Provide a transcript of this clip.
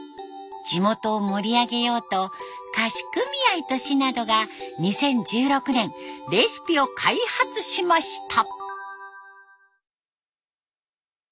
地元を盛り上げようと菓子組合と市などが２０１６年レシピを開発しました。